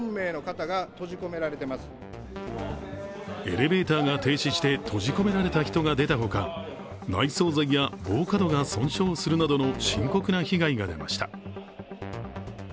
エレベーターが停止して閉じ込められた人が出たほか、内装材や防火戸が損傷するなどの深刻な被害が出ました。